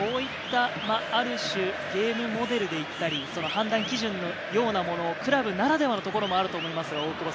ある種、ゲームモデルで行ったり判断基準のようなもの、クラブならではのところもあると思います。